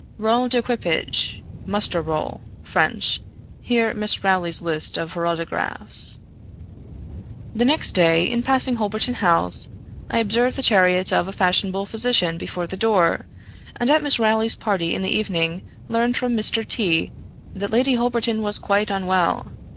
{role d'equipage = muster roll (French); here, Miss Rowley's list of her autographs} The next day, in passing Holberton House, I observed the chariot of a fashionable physician before the door; and at Miss Rowley's party in the evening learned from Mr. T that Lady Holberton was quite unwell.